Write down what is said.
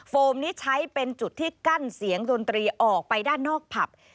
โมนี้ใช้เป็นจุดที่กั้นเสียงดนตรีออกไปด้านนอกผับ